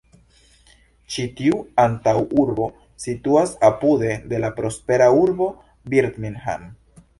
Ĉi tiu antaŭurbo situas apude de la prospera urbo Birmingham.